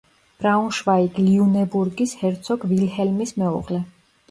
ბრაუნშვაიგ-ლიუნებურგის ჰერცოგ ვილჰელმის მეუღლე.